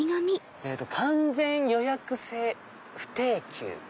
「完全予約制・不定休」。